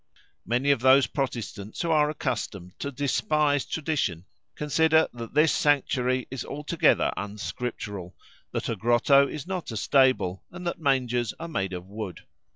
Many of those Protestants who are accustomed to despise tradition consider that this sanctuary is altogether unscriptural, that a grotto is not a stable, and that mangers are made of wood.